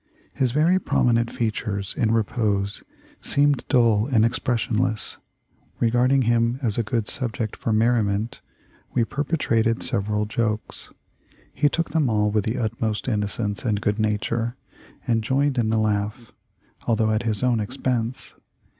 His very prominent features in repose seemed dull and expressionless. Regarding him as a good sub ject for merriment we perpetrated several jokes. He took them all with the utmost innocence and good nature, and joined in the laugh, although at his own expense.